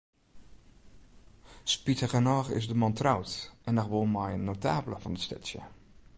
Spitigernôch is de man troud, en noch wol mei in notabele fan it stedsje.